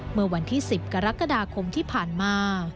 เมื่อวันที่๑๐กรกฎาคมที่ผ่านมา